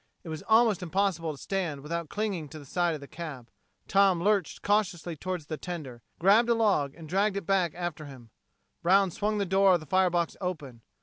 It was almost impossible to stand without clinging to the side of the cab. Tom lurched cautiously toward the tender, grabbed a log and dragged it back after him. Brown swung the door of the fire box open.